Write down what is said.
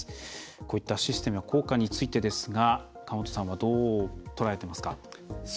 こういったシステムの効果についてですが河本さんは、どう捉えてますか？